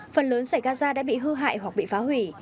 phần lớn giải gaza đã bị hư hại hoặc bị phá hủy